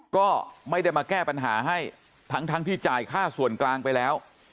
จะมาแก้ปัญหาให้ทั้งทั้งที่จ่ายค่าส่วนกลางไปแล้ว